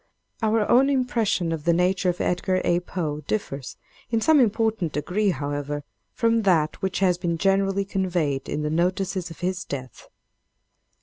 Our own impression of the nature of Edgar A. Poe, differs in some important degree, however, from that which has been generally conveyed in the notices of his death.